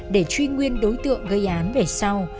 để truy nguyên đối tượng gây án về sau